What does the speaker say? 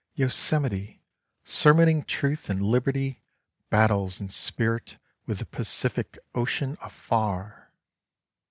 Yosemite, sermoning Truth and Liberty, battles in spirit with the Pacific Ocean afar